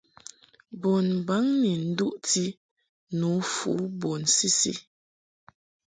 Bunbaŋ ni nduʼti nǔfu bun sisi.